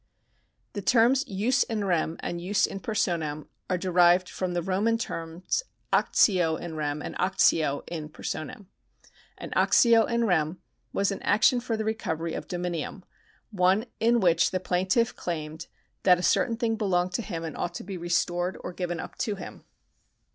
The terms jus in rem and jus in 'personam are derived from the Roman terms actio in rem and actio in personam. An actio in rem was an action for the recovery of dominium ; one in which the plaintiff claimed that a certain thing belonged to him and ought to be restored or given up to him.